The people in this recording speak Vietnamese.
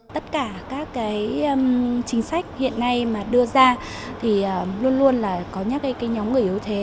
tất cả các chính sách hiện nay mà đưa ra thì luôn luôn là có nhóm người yếu thế